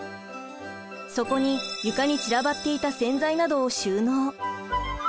そこに床に散らばっていた洗剤などを収納。